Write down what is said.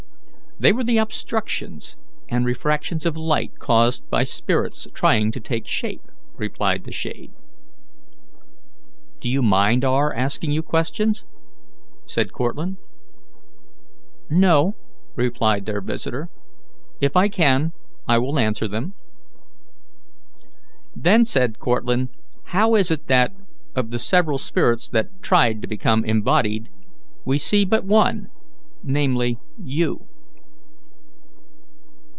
"They were the obstructions and refractions of light caused by spirits trying to take shape," replied the shade. "Do you mind our asking you questions?" said Cortlandt. "No," replied their visitor. "If I can, I will answer them." "Then," said Cortlandt, "how is it that, of the several spirits that tried to become embodied, we see but one, namely, you?"